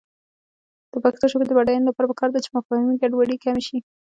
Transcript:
د پښتو ژبې د بډاینې لپاره پکار ده چې مفاهمې ګډوډي کمې شي.